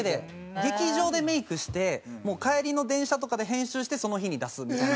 劇場でメイクしてもう帰りの電車とかで編集してその日に出すみたいな。